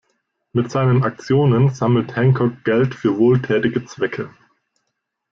Mit seinen Aktionen sammelt Hancock Geld für wohltätige Zwecke.